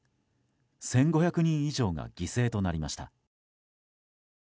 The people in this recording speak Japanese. １５００人以上が犠牲となりました。